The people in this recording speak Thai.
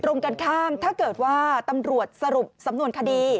ตรงกันข้ามถ้าเกิดว่าตำรวจสรุปสำนวนคดี